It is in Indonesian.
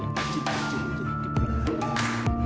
yang kecil kecil kecil diperhatikan